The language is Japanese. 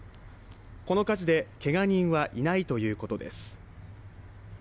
この火事でけが人はいないということです。